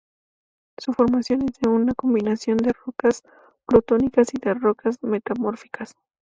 Su formación es de una combinación de rocas plutónicas y de rocas metamórficas.